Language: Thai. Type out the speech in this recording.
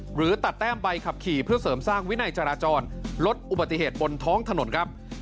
หรือตัดแต้มใบขับขี่เพื่อเสริมสร้างวินัยจราจรลดอุบัติเหตุบนท้องถนนครับ